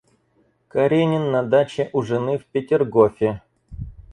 Каренин на даче у жены в Петергофе.